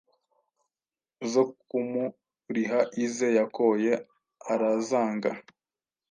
zo kumuriha ize yakoye, arazanga».